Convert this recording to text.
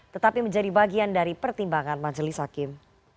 tetapi menjadi bagian dari pertimbangan majelis hakim